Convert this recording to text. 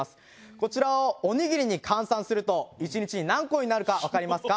こちらをおにぎりに換算すると１日何個になるかわかりますか？